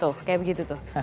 tuh kayak begitu tuh